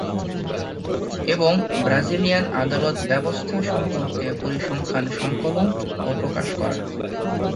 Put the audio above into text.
এবং ব্রাজিলিয়ান আদালত ব্যবস্থা সম্পর্কে পরিসংখ্যান সংকলন ও প্রকাশ করা।